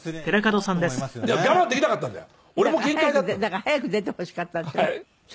だから早く出てほしかったんでしょ？